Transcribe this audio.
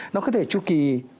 nó có thể tru kỳ